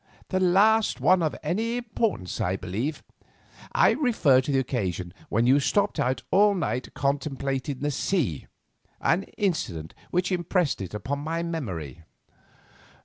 "The last of any importance, I believe. I refer to the occasion when you stopped out all night contemplating the sea; an incident which impressed it upon my memory."